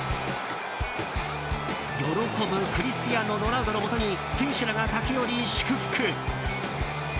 喜ぶクリスティアーノ・ロナウドのもとに選手らが駆け寄り祝福。